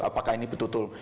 apakah ini betul betul